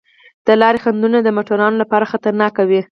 د لارې خنډونه د موټروانو لپاره خطرناک وي.